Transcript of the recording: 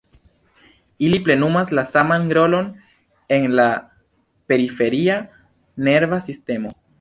Ili plenumas la saman rolon en la periferia nerva sistemo.